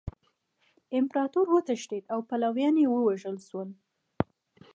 امپراطور وتښتید او پلویان یې ووژل شول.